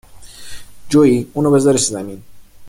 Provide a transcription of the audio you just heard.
جویی ، اونو بزارش زمین